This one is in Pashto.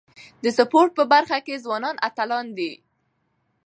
د سپورت په برخه کي ځوانان اتلان دي.